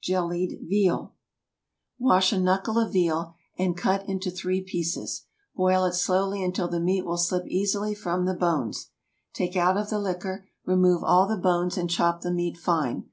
JELLIED VEAL. Wash a knuckle of veal, and cut it into three pieces. Boil it slowly until the meat will slip easily from the bones; take out of the liquor; remove all the bones, and chop the meat fine.